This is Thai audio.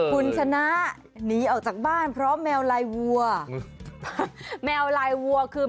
คุณชนะหนีออกจากบ้านเพราะแมวไร้วัว